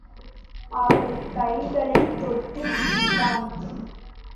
அவள் கைகளைத் தொட்டுப் பிடித்தான்.